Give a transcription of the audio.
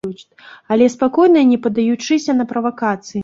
Але спакойна і не паддаючыся на правакацыі.